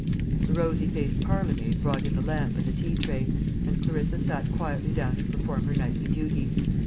The rosy faced parlour maid brought in the lamp and the tea tray, and Clarissa sat quietly down to perform her nightly duties.